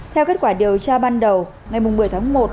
theo kết quả điều tra ban đầu ngày một mươi tháng một